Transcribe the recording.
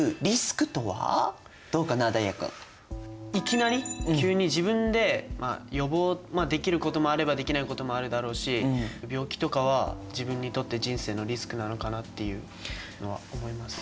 いきなり急に自分で予防できることもあればできないこともあるだろうし病気とかは自分にとって人生のリスクなのかなっていうのは思います。